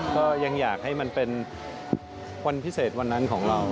ก็ยังอยากให้มันเป็นวันพิเศษวันนั้นของเรา